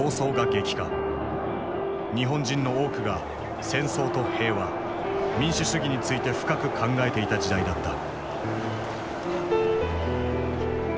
日本人の多くが戦争と平和民主主義について深く考えていた時代だった。